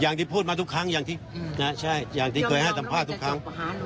อย่างที่พูดมาทุกครั้งอย่างที่เคยให้สัมภาษณ์ทุกครั้ง